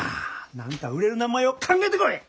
何か売れる名前を考えてこい！